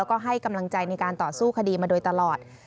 ก็ให้กำลังใจในการต่อสู้คดีมาโดยตลอด